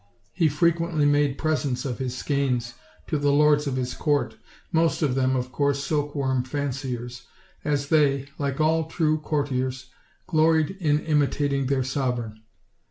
He frequently made presents of his skeins to the lords of his court, most of them, of course, silk worm fanciers, as they, like all true courtiers, gloried in imitating their sovereign.